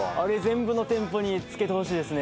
全部の店舗につけてほしいですね。